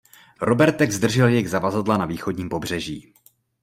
Robertek zdržel jejich zavazadla na východním pobřeží!